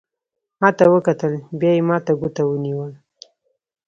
ما ته وکتل، بیا یې ما ته ګوته ونیول.